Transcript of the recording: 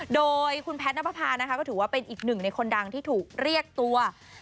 โดยคุณแพทย์นับประพานะคะก็ถือว่าเป็นอีกหนึ่งในคนดังที่ถูกเรียกตัว